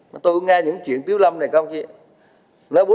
mà tôi nghe những chuyện tiếu lâm này không chứ